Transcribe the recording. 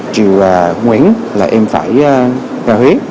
triều nguyễn là em phải ra huế